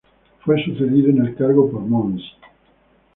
Fue sucedido en el cargo por Mons.